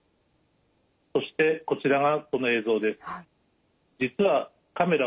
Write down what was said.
そしてこちらがその映像です。